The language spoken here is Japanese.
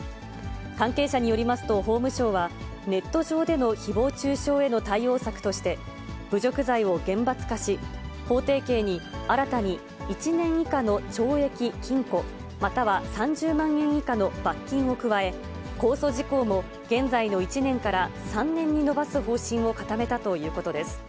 関係者によりますと、法務省は、ネット上でのひぼう中傷への対応策として、侮辱罪を厳罰化し、法定刑に新たに１年以下の懲役・禁錮、または３０万円以下の罰金を加え、公訴時効も現在の１年から３年に延ばす方針を固めたということです。